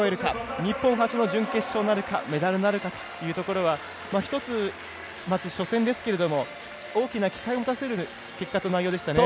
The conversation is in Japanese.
日本初の準決勝なるかメダルなるかというところは１つ、初戦ですけれども大きな期待を持たせる結果と内容でしたね。